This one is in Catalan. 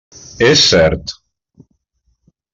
És cert.